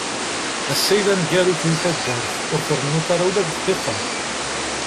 Ass-a i d aneggaru-k di taddart, ur trennuḍ ara ula d dqiqa.